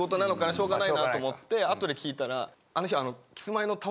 しょうがないなと思ってあとで聞いたらあの日。